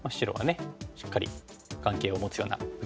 しっかり眼形を持つような受け方ですよね。